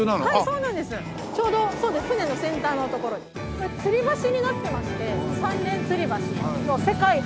これつり橋になってまして三連つり橋世界初の。